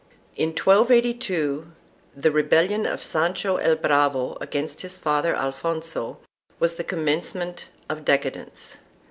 In 1282 the rebellion of Sancho el Bravo against his father Alfonso was the commencement of decadence.